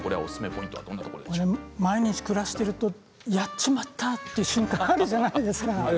毎日暮らしているとやっちまったという瞬間があるじゃないですか。